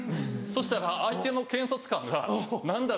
そしたら相手の検察官が何だ？